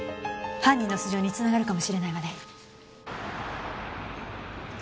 犯人の素性に繋がるかもしれないわね。